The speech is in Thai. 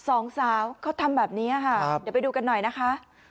สองสาวเขาทำแบบนี้ค่ะเดี๋ยวไปดูกันหน่อยนะคะ